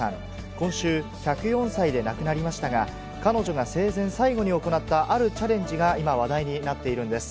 今週、１０４歳で亡くなりましたが、彼女が生前、最後に行った、あるチャレンジが今話題になっているんです。